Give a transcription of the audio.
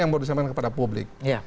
yang baru disampaikan kepada publik